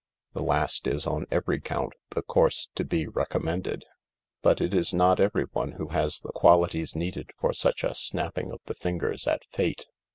The last is, on every count, the course to be re commended, but it is not everyone who has the qualities needed for such a snapping of the fingers at Fate.